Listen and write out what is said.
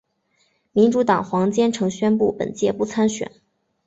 民主党黄坚成宣布本届不参选。